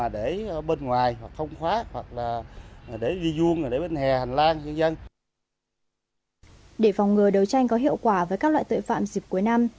để phòng ngừa đấu tranh có hiệu quả với các loại tội phạm dịp cuối năm